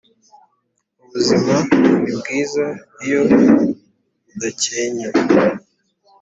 ubuzima n’ibwiza iyo udacyenye